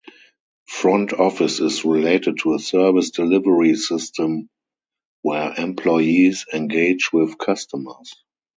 Front office is related to a service delivery system, where employees engage with customers.